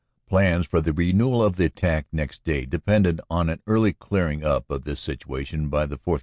Plans for the renewal of the attack next day depended on an early clearing up of this situation by the 4th.